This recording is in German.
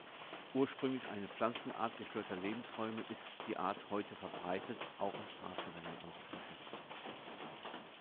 Ursprünglich eine Pflanzenart gestörter Lebensräume ist die Art heute verbreitet auch an Straßenrändern anzutreffen.